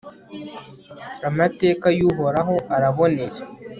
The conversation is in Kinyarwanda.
amateka y'uhoraho araboneye